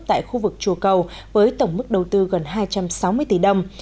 tại khu vực chùa cầu với tổng mức đầu tư gần hai trăm sáu mươi tỷ đồng